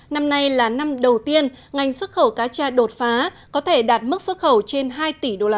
năm nay là năm đầu tiên ngành xuất khẩu cá cha đột phá có thể đạt mức xuất khẩu trên hai tỷ usd